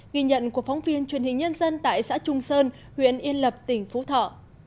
ghi nhận của phóng viên truyền hình nhân dân tại xã trung sơn huyện yên lập tỉnh phú thọ